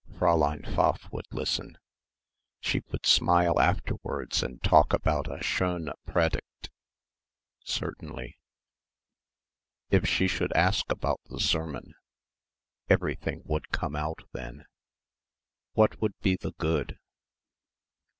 Fräulein Pfaff would listen. She would smile afterwards and talk about a "schöne Predigt" certainly.... If she should ask about the sermon? Everything would come out then. What would be the good?